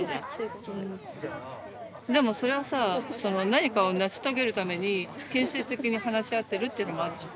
でもそれはさその何かを成し遂げるために建設的に話し合ってるっていうのもあるじゃん。